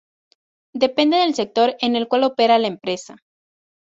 Depende del sector en cuál opera la empresa.